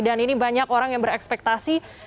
dan ini banyak orang yang berekspektasi